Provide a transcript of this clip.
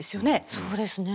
そうですね。